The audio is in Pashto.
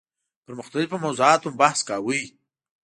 پر مختلفو موضوعاتو مو بحث کاوه.